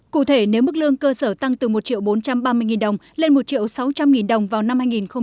cụ thể nếu mức lương cơ sở tăng từ một bốn trăm ba mươi đồng lên một triệu sáu trăm linh đồng vào năm hai nghìn hai mươi